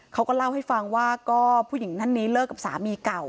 เขาก็เล่าให้ฟังว่าก็ผู้หญิงท่านนี้เลิกกับสามีเก่า